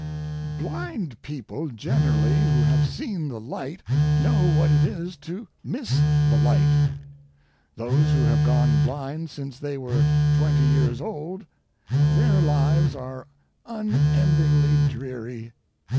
Blind people generally who have seen the light know what it is to miss the light. Those who have gone blind since they were twenty years old—their lives are unendingly dreary.